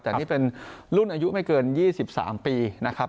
แต่นี่เป็นรุ่นอายุไม่เกิน๒๓ปีนะครับ